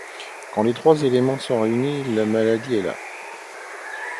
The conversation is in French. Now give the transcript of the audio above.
Quand les trois éléments sont réunis, la maladie est là.